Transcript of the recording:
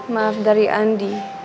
maaf dari andi